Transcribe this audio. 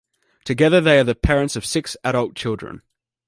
Together they are the parents of six adult children.